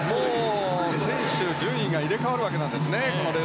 選手、順位が入れ替わるわけですね。